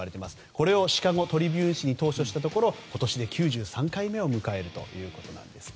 これをシカゴ・トリビューン紙に投書したところ今年で９３回目を迎えるということなんですね。